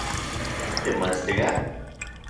¿Ken timoestika?